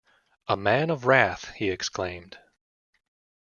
‘A man of wrath!’ he exclaimed.